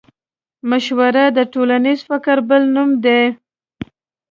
مشوره د ټولنيز فکر بل نوم دی.